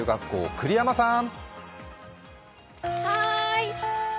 栗山さん！